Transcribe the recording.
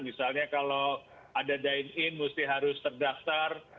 misalnya kalau ada dine in mesti harus terdaftar